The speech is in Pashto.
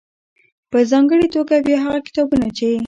.په ځانګړې توګه بيا هغه کتابونه چې